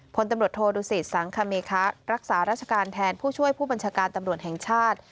พลตำรวจโทดูสิตสังคเมคะรักษาราชการแทนผู้ช่วยผู้บัญชาการตำรวจแห่งชาติ